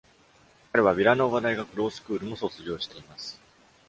彼はヴィラノーヴァ大学ロースクールも卒業しています。